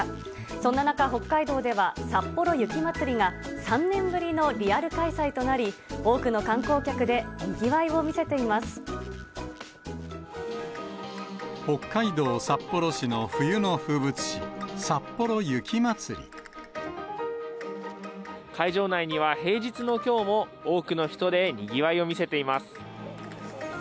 そんな中、北海道では、さっぽろ雪まつりが、３年ぶりのリアル開催となり、多くの観光客でにぎわいを見せて北海道札幌市の冬の風物詩、会場内には、平日のきょうも多くの人でにぎわいを見せています。